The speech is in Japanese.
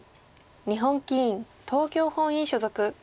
日本棋院東京本院所属。